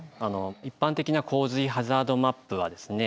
一般的な洪水ハザードマップはですね